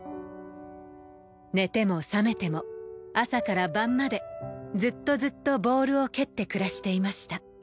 寝ても覚めても朝から晩までずっとずっとボールを蹴って暮らしていました